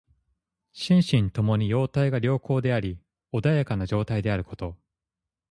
心身ともに様態が良好であり穏やかな状態であること。